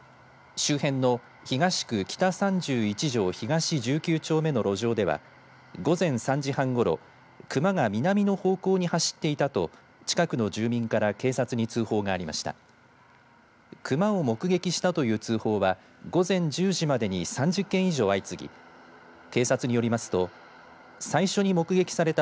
周辺の東区北３１条東１９丁目の路上では午前３時半ごろクマが南の方向に走っていたと近くの住民から警察に通報がありました。